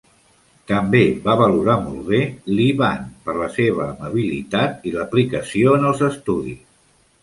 També va valorar molt bé Li Ban, per la seva amabilitat i l'aplicació en els estudis.